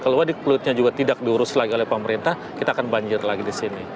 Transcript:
kalau waduk fluidnya juga tidak diurus lagi oleh pemerintah kita akan banjir lagi disini